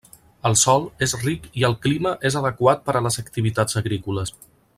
El sòl és ric i el clima és adequat per a les activitats agrícoles.